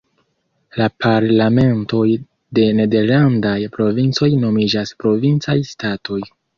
La parlamentoj de nederlandaj provincoj nomiĝas "Provincaj Statoj".